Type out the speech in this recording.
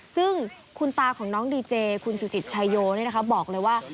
ซึ่งคุณตาของน้องดีเจคุณสุจิตชายโยบอกเลยว่า